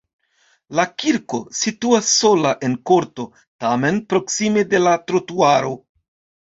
La kirko situas sola en korto, tamen proksime de la trotuaro.